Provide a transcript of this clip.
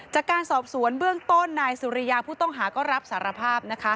จากการสอบสวนเบื้องต้นนายสุริยาผู้ต้องหาก็รับสารภาพ